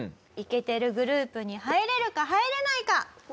イケてるグループに入れるか入れないか。